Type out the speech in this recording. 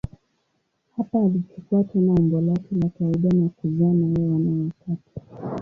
Hapa alichukua tena umbo lake la kawaida na kuzaa naye wana watatu.